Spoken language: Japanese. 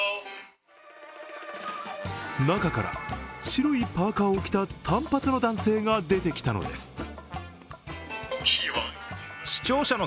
中から、白いパーカを着た短髪の男性が出てきたのです。